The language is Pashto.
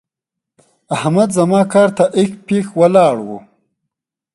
احمد زما کار ته اېښ پېښ ولاړ وو.